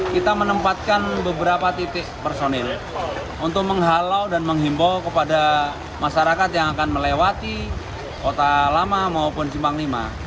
kita menempatkan beberapa titik personil untuk menghalau dan menghimbau kepada masyarakat yang akan melewati kota lama maupun simpang v